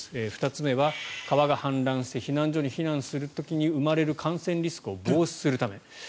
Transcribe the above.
２つ目は川が氾濫して避難所に避難する時に生まれる感染リスクを防止するため。